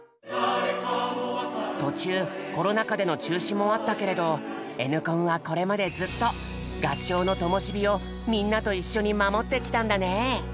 途中コロナ禍での中止もあったけれど「Ｎコン」はこれまでずっと合唱のともし火をみんなと一緒に守ってきたんだね。